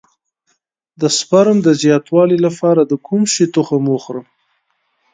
د سپرم د زیاتوالي لپاره د کوم شي تخم وخورم؟